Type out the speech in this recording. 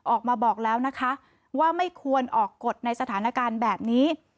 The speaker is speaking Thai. ออกมาบอกแล้วนะคะว่าไม่ควรออกกฎในสถานการณ์แบบนี้